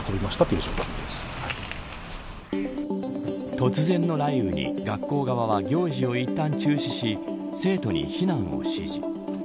突然の雷雨に学校側は行事をいったん中止し生徒に避難を指示。